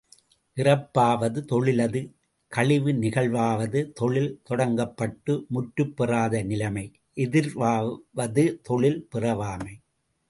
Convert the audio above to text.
இறப்பாவது, தொழிலது கழிவு நிகழ்வாவது, தொழில் தொடங்கப்பட்டு முற்றுப் பெறாத நிலைமை எதிர்வாவது தொழில் பிறாவமை.